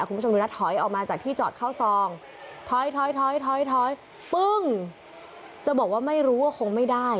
คุณผู้ชมดูนะถอยออกมาจากที่จอดข้าวซอง